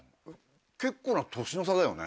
結構な年の差だよね？